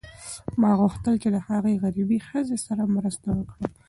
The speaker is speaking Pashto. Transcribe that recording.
ما غوښتل چې د هغې غریبې ښځې سره مرسته وکړم.